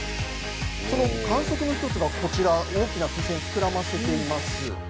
その観測の１つが、こちら、大きな風船、膨らませています。